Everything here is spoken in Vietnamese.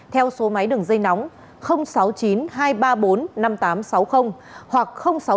theo số máy đường dây nóng sáu mươi chín hai trăm ba mươi bốn năm nghìn tám trăm sáu mươi hoặc sáu mươi chín hai trăm ba mươi hai một nghìn sáu trăm sáu mươi